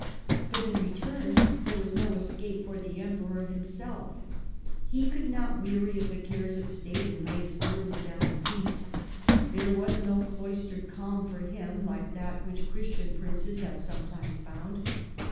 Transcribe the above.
But in return there was no escape for the Emperor himself. He could not weary of the cares of state and lay his burden down in peace. There was no cloistered calm for him like that which Christian princes have sometimes found.